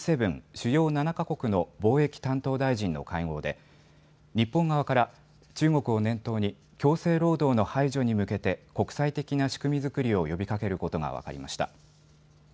主要７か国の貿易担当大臣の会合で日本側から中国を念頭に強制労働の排除に向けて国際的な仕組み作りを呼びかけることが分かりました。